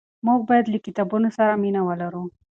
موږ باید له کتابونو سره مینه ولرو.